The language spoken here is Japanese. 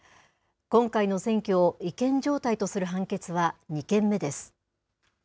今回の選挙を違憲状態とする判決は２件目です。